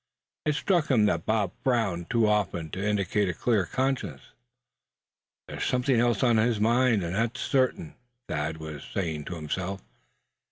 It struck him that Bob frowned too often to indicate a clear conscience. "There's something else on his mind, and that's certain," Thad was saying to himself.